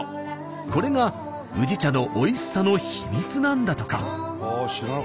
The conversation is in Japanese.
これが宇治茶のおいしさの秘密なんだとか。